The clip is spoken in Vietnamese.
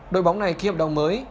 đội bóng này ký hợp đồng mới